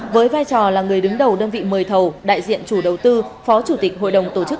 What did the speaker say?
với vai trò là người đứng đầu đơn vị mời thầu đại diện chủ đầu tư phó chủ tịch hội đồng tổ chức